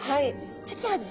実はですね